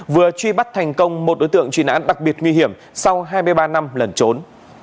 vừa truy bắt thành công một đối tượng truy nãn đặc biệt nguy hiểm sau hai mươi ba năm lần trốn